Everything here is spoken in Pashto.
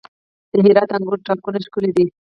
د هرات د انګورو تاکونه ښکلي دي.